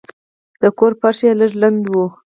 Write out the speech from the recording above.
د کور فرش یې لږ لند و.